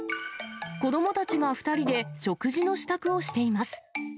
子どもたちが２人で食事の支度をしています。